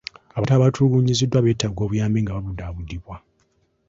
Abantu abatulugunyiziddwa beetaaga obuyambi nga babudaabudibwa.